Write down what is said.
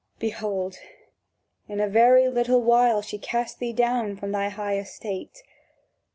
Behold, in a very little while she has cast thee down from thy high estate!